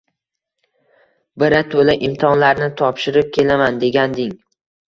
Birato‘la imtihonlarni topshirib kelaman, deganding